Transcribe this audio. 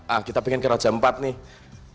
ah kita pengen ke raja empat nih